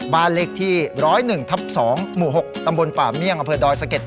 บ้านเลขที่ร้อยหนึ่งทับสองหมู่หกตำบลป่าเมี่ยงอเภอดอยสะเก็ด